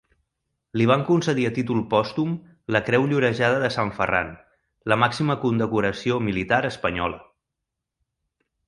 Li van con cedir a títol pòstum la Creu Llorejada de San Ferran, la màxima condecoració militar espanyola.